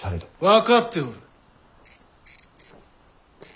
分かっておる。